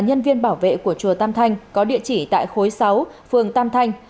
nhân viên bảo vệ của chùa tam thanh có địa chỉ tại khối sáu phường tam thanh